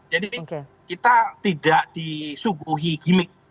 jadi kita tidak disuguhi gimmick